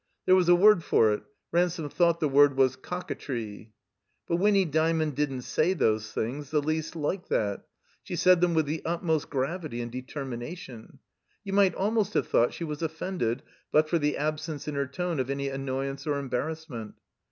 There was a word for it; Ransome thought the word was "cock a tree." But Winny Dymond didn't say those things — ^the least like tiiat. She said them with the utmost gravity and determination. You might almost have thought she was offended but for the absence in her tone of any annoyance or embarrassment.